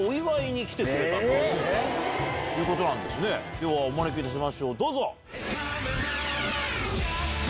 ではお招きいたしましょうどうぞ！